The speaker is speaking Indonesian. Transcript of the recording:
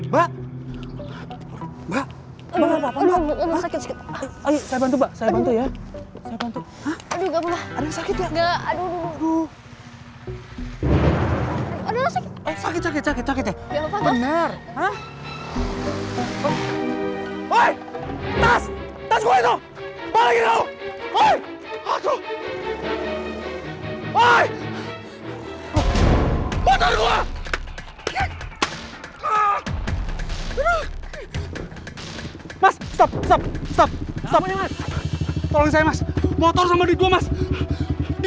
wah lu main sini dikurang satu orang lagi